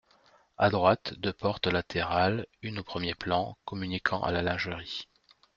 À droite, deux portes latérales, une au premier plan, communiquant à la lingerie.